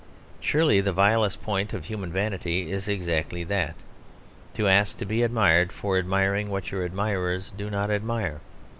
Surely the vilest point of human vanity is exactly that; to ask to be admired for admiring what your admirers do not admire.